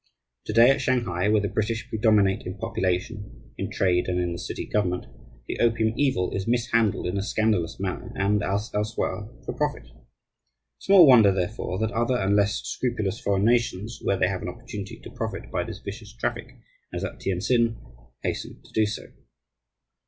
To day, at Shanghai, where the British predominate in population, in trade, and in the city government, the opium evil is mishandled in a scandalous manner, and as elsewhere for profit. Small wonder, therefore, that other and less scrupulous foreign nations, where they have an opportunity to profit by this vicious traffic, as at Tientsin, hasten to do so.